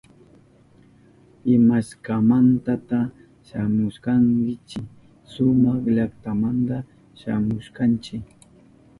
¿Imashnamantata shamushkankichi? Suma llaktamanta shamushkanchi.